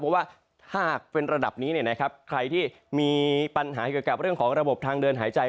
เพราะว่าถ้าเป็นระดับนี้ใครที่มีปัญหาเกี่ยวกับเรื่องของระบบทางเดินหายใจ